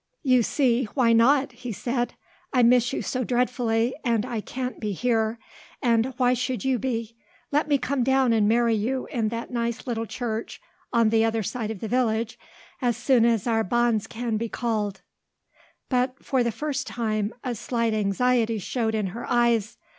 "You see, why not?" he said. "I miss you so dreadfully and I can't be here; and why should you be? Let me come down and marry you in that nice little church on the other side of the village as soon as our banns can be called." But, for the first time, a slight anxiety showed in her eyes.